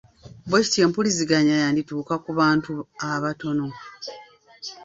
Bw’ekityo empuliziganya yandituuka ku bantu abatono.